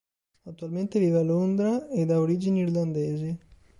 Attualmente vive a Londra ed ha origini irlandesi.